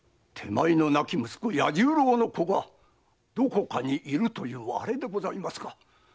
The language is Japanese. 手前の亡き息子・弥十郎の子がどこかにいるというあれでございますか？